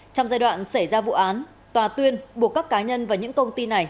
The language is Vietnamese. trong giai đoạn xảy ra vụ án tòa tuyên buộc các cá nhân và những công ty này